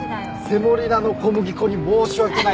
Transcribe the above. セモリナの小麦粉に申し訳ないよ。